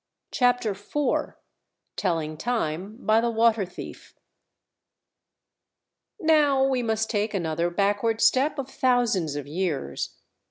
CHAPTER FOUR Telling Time by the Water Thief Now we must take another backward step of thousands of years.